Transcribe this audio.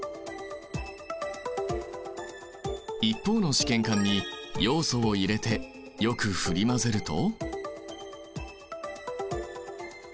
一方の試験管にヨウ素を入れてよく振り混ぜると。